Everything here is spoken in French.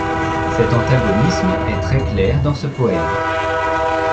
Cet antagonisme est très clair dans ce poème.